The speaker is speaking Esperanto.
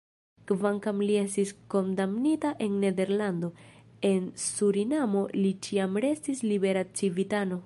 Kvankam li estis kondamnita en Nederlando, en Surinamo li ĉiam restis libera civitano.